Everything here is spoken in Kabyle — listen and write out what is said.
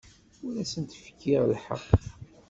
Ur asent-kfiɣ lḥeqq.